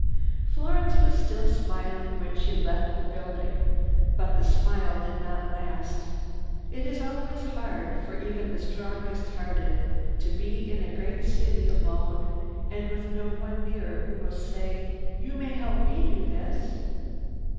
Florence was still smiling when she left the building. But the smile did not last. It is always hard, for even the strongest hearted to be in a great city alone and with no one near who will say, "You may help me do this."